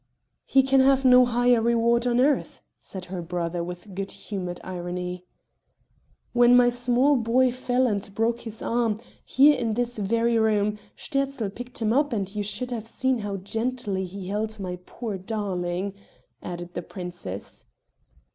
"He can have no higher reward on earth," said her brother with good humored irony. "When my small boy fell and broke his arm, here in this very room, Sterzl picked him up, and you should have seen how gently he held my poor darling," added the princess.